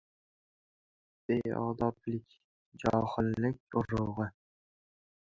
Beodoblik — johillik urug‘i.